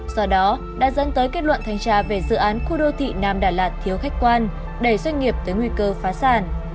do đó đã dẫn tới kết luận thanh tra về dự án khu đô thị nam đà lạt thiếu khách quan đẩy doanh nghiệp tới nguy cơ phá sản